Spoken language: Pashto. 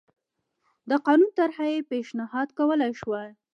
د قانون طرحه یې پېشنهاد کولای شوه